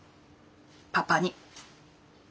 パパに。